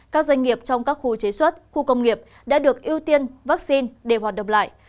các doanh nghiệp trong các khu chế xuất khu công nghiệp đã được ưu tiên vaccine để hoạt động lại